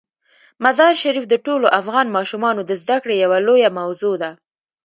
مزارشریف د ټولو افغان ماشومانو د زده کړې یوه لویه موضوع ده.